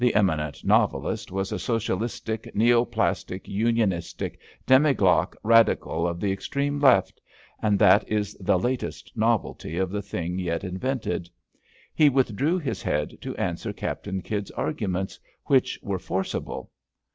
The eminent novelist was a sodalistic Neo Plastic Unionistic Demagoglot Badical of the Extreme Left, and that is the latest novelty of the THE ADOEATION OF THE MAGE 229 thing yet invented. He withdrew his head to answer Captain Kydd's arguments, which were forcible.